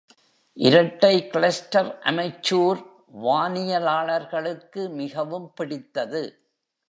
இரட்டை cluster amateur வானியலாளர்களுக்கு மிகவும் பிடித்தது.